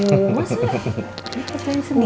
ini pertanyaan sendiri